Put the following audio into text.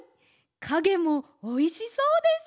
かげもおいしそうです！